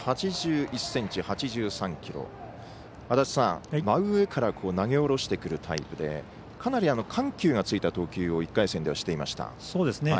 足達さん、真上から投げ下ろしてくるタイプでかなり緩急がついた投球を１回戦ではしていました。